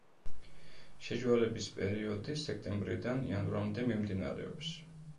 შეჯვარების პერიოდი სექტემბრიდან იანვრამდე მიმდინარეობს.